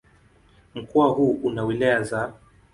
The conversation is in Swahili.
Mkoa huu una wilaya za